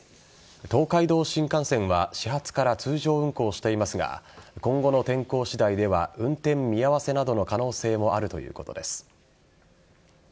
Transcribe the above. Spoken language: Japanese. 東海道新幹線は始発から通常運行していますが今後の天候次第では運転見合わせなどの可能性もあるということです。